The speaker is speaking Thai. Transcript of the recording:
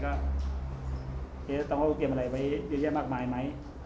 เคสต้องเอาเกมอะไรไว้เยอะแยะมากมายไหม